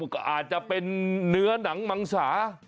ก็อาจจะเป็นเนื้อหนังมังสา